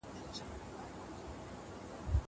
درسونه لوستل کړه!